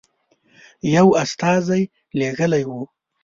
یو استازی لېږلی وو.